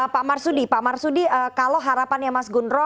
pak marzudi mp sepuluh haruskah ada perubahan regenerasi di tubuh pbnu